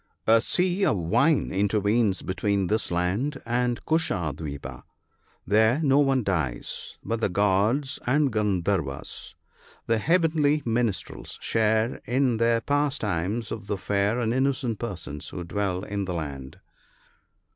A sea of wine intervenes between this land and Kusha dwipa. There no one dies ; but the gods and gandharvas, the heavenly minstrels, share in the pastimes of the fair and innocent persons who dwell in the land.